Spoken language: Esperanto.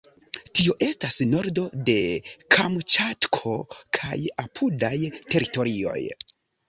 Tio estas nordo de Kamĉatko kaj apudaj teritorioj.